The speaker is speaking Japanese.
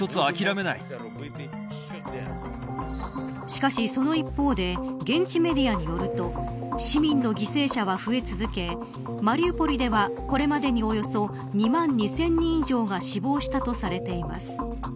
しかしその一方で現地メディアによると市民の犠牲者は増え続けマリウポリではこれまでにおよそ２万２０００人以上が死亡したとされています。